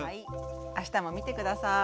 あしたも見て下さい。